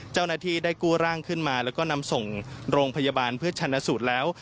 เจ้าหน้าที่ได้กู้ร่างขึ้นมาแล้วก็นำส่งโรงพยาบาลเพื่อชนะสูตรแล้ว